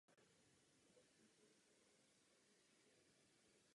Počet dalších karet není omezen.